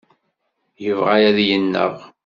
Yebɣa ad yennaɣ.